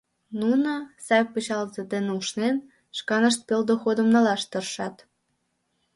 Нуно, сай пычалзе дене ушнен, шканышт пел доходым налаш тыршат.